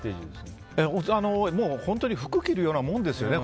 本当に服を着るようなものですよね。